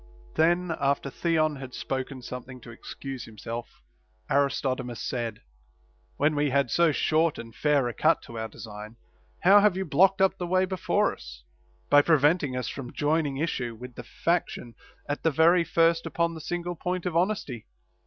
Then, after Theon had spoken something to excuse himself, Aristodemus said : When we had so short and fair a cut to our design, how have you blocked up the way before us, by preventing us from joining issue with the faction at the very first upon the single point of honesty